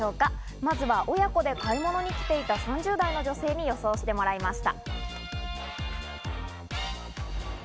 まずは親子で買い物に来ていた３０代の女性に予想してもらいました。